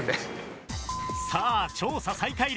さあ調査再開です。